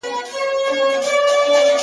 زر کلونه څه مستی څه خمار یووړل؛